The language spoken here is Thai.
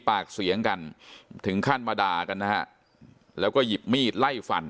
ปากเสียงกันถึงขั้นมาด่ากันนะฮะแล้วก็หยิบมีดไล่ฟัน